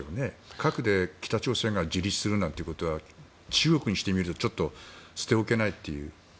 核で北朝鮮が自立するなんてことは中国にしてみればちょっと捨て置けないという。